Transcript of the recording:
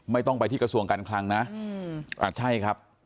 ไม่ต้องไปที่กระทรวงการคลังนะใช่ครับ